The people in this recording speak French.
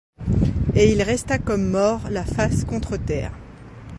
et il resta comme mort la face contre terre.